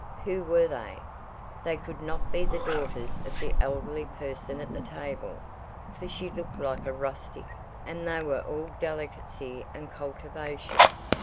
Who were they? They could not be the daughters of the elderly person at the table; for she looked like a rustic, and they were all delicacy and cultivation.